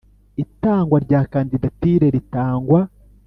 itangwa rya kandidatire ritangwa.